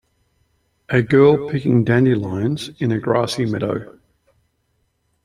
A girl picking dandelions in a grassy meadow.